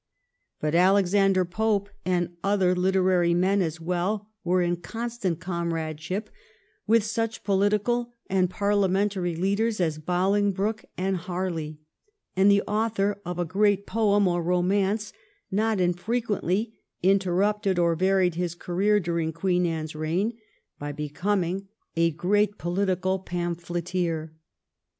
But Alexander Pope and other literary men as well were in constant comradeship with such poUtical and parliamentary leaders as Bolingbroke and Harley, and the author of a great poem or romance not infre quently interrupted or varied his career during Queen Anne's reign by becoming a great political pam phleteer.